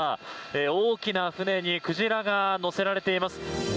大きな船に鯨が載せられています。